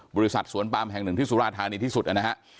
บริษัทสวนปามแห่งหนึ่งที่สุราธานีที่สุดนะฮะ